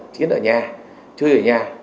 chiến ở nhà chơi ở nhà